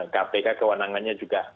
kpk kewenangannya juga